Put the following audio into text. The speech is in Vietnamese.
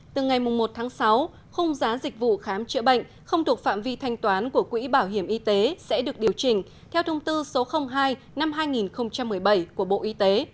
từ ngày một tháng sáu khung giá dịch vụ khám chữa bệnh không thuộc phạm vi thanh toán của quỹ bảo hiểm y tế sẽ được điều chỉnh theo thông tư số hai năm hai nghìn một mươi bảy của bộ y tế